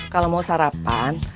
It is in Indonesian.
kalau mau sarapan